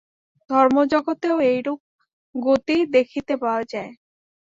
ধর্মজগতেও এইরূপ গতি দেখিতে পাওয়া যায়।